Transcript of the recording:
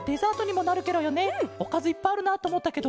おかずいっぱいあるなとおもったけど。